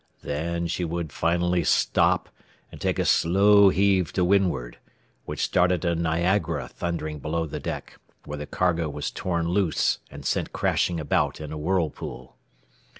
Then she would finally stop and take a slow heave to windward, which started a Niagara thundering below the deck, where the cargo was torn loose and sent crashing about in a whirlpool.